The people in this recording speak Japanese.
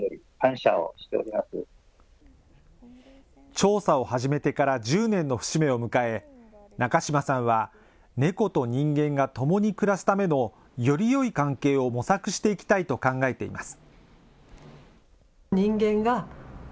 調査を始めてから１０年の節目を迎え、中島さんは猫と人間が共に暮らすためのよりよい関係を模索していきたいと考えています。